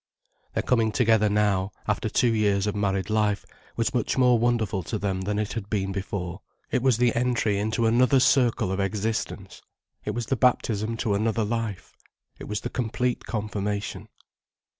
Their coming together now, after two years of married life, was much more wonderful to them than it had been before. It was the entry into another circle of existence, it was the baptism to another life, it was the complete confirmation.